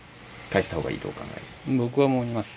返したほうがいいとお考え？